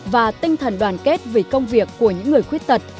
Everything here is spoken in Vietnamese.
và tinh thần đoàn kết vì công việc của những người khuyết tật